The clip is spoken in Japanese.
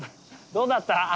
どうだった？